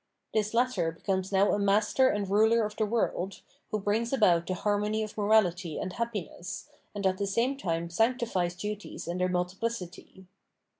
This latter becomes now a master and ruler of the world, who brings about the harmony of morality and happi ness, and at the same time sanctifies duties in their multiplicity.